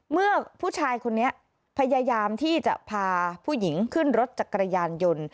เมื่อผู้ชายคนนี้พยายามที่จะพาผู้หญิงขึ้นรถจักรยานยนต์